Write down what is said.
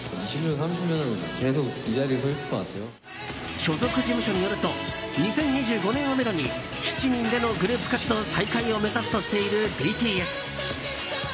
所属事務所によると２０２５年をめどに７人でのグループ活動再開を目指すとしているＢＴＳ。